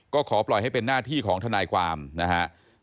ก็ขอปล่อยให้เป็นหน้าที่ของทนายความนะครับ